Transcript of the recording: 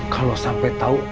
kalau sampai tahu